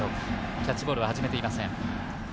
キャッチボールは始めていません。